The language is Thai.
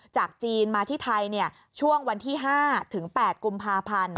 จากจีนมาที่ไทยช่วงวันที่๕ถึง๘กุมภาพันธ์